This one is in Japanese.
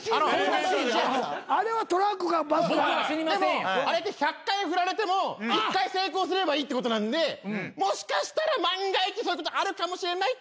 あれって１００回振られても１回成功すればいいってことなんでもしかしたら万が一そういうことあるかもっていう。